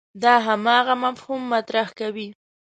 دا همدغه مفهوم مطرح کوي.